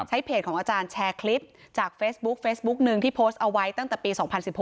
ใช้เพจของอาจารย์แชร์คลิปจากเฟสบุ๊กนึงที่โพสต์เอาไว้ตั้งแต่ปี๒๐๑๖